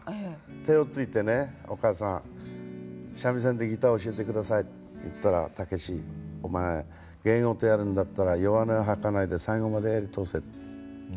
手をついてね「お母さん三味線でギター教えて下さい」って言ったら「タケシお前芸事やるんだったら弱音を吐かないで最後までやり通せ」。